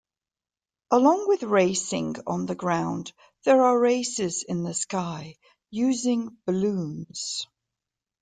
Along with racing on the ground, there are races in the sky using balloons.